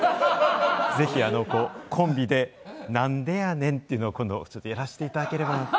ぜひコンビで、「なんでやねん！」というのをやらせていただければ。